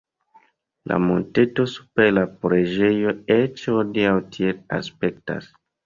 La monteto super la preĝejo eĉ hodiaŭ tiel aspektas.